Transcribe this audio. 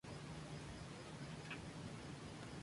Jules Verne no era ciego a los males del colonialismo.